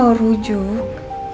aku mau rujuk